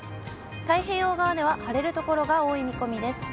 太平洋側では晴れる所が多い見込みです。